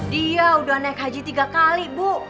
dia udah naik haji tiga kali bu